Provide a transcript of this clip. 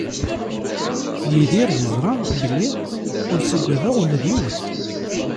Yidir yeẓra belli ur ttaggadeɣ ula d yiwen.